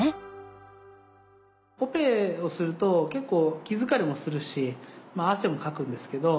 オペをすると結構気疲れもするし汗もかくんですけど